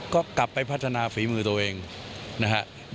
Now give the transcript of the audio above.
ก็กลับไปพัฒนาฝีมือตัวเองนะฮะ